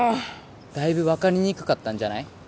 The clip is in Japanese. だいぶ分かりにくかったんじゃない？